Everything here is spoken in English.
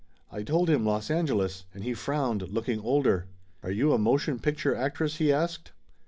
I told him Los Angeles, and he frowned, looking older. "Are you a motion picture actress?" he asked.